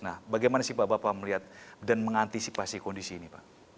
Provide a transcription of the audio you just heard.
nah bagaimana sih pak bapak melihat dan mengantisipasi kondisi ini pak